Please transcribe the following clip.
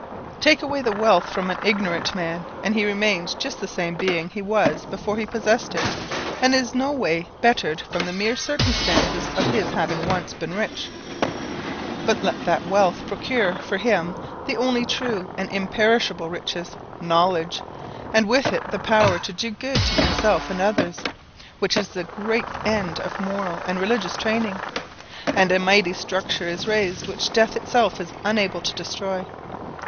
Take away the wealth from an ignorant man, and he remains just the same being he was before he possessed it, and is no way bettered from the mere circumstance of his having once been rich. But let that wealth procure for him the only true and imperishable riches knowledge, and with it the power to do good to himself and others, which is the great end of moral and religious training and a mighty structure is raised which death itself is unable to destroy.